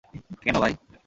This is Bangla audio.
কেন, ভাই?